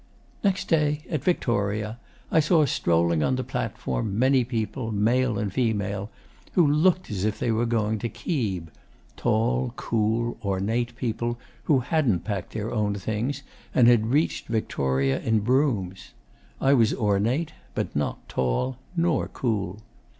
'Next day, at Victoria, I saw strolling on the platform many people, male and female, who looked as if they were going to Keeb tall, cool, ornate people who hadn't packed their own things and had reached Victoria in broughams. I was ornate, but not tall nor cool.